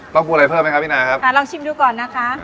ต้องพวงอะไรเพิ่มไหมคะพี่นาครับลองชิมดูก่อนนะคะ